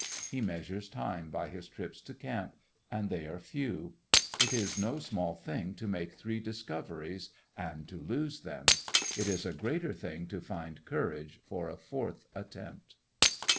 He measures time by his trips to camp; and they are few. It is no small thing to make three discoveries and lose them. It is a greater thing to find courage for a fourth attempt.